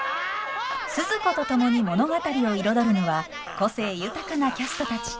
スズ子と共に物語を彩るのは個性豊かなキャストたち。